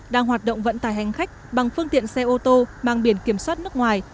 đang hoạt động vận tải hành khách bằng phương tiện xe ô tô mang biển kiểm soát nước ngoài